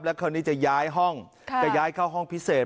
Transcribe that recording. คราวนี้จะย้ายห้องจะย้ายเข้าห้องพิเศษ